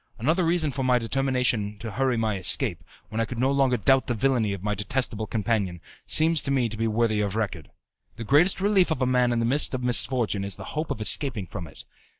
Another reason for my determination to hurry my escape, when I could no longer doubt the villainy of my detestable companion, seems to me to be worthy of record. The greatest relief of a man in the midst of misfortune is the hope of escaping from it.